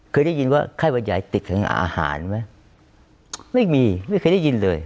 เคยได้ยินว่าไข้หวัดใหญ่ติดถึงอาหารไหมไม่มีไม่เคยได้ยินเลย